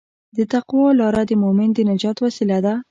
د تقوی لاره د مؤمن د نجات وسیله ده.